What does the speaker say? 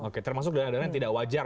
oke termasuk ada yang tidak wajar